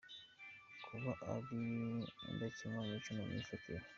Kuba ari indakemwa mu mico no mu myifatire.